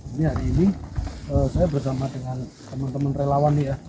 ini hari ini saya bersama dengan teman teman relawan nih ya